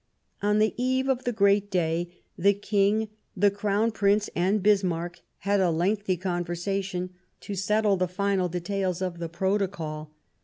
On the eve of the great day the King, the Crown Prince and Bismarck had a lengthy conversation to settle the final details of the protocol.